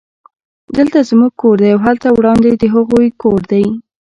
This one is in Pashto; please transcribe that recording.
دلته زموږ کور دی او هلته وړاندې د هغوی کور دی